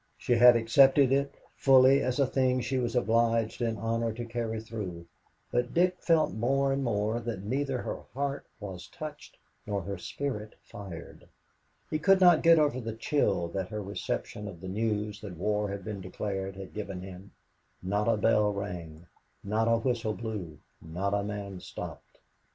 She had accepted it fully as a thing she was obliged in honor to carry through, but Dick felt more and more that neither her heart was touched nor her spirit fired. He could not get over the chill that her reception of the news that war had been declared had given him not a bell rang, not a whistle blew, not a man stopped work.